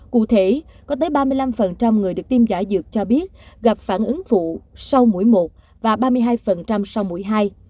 cụ thể có tới ba mươi năm người được tiêm giả dược cho biết gặp phản ứng phụ sau mũi một và ba mươi hai sau mũi hai